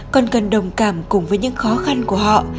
còn cần đồng cảm cùng với những khó khăn của họ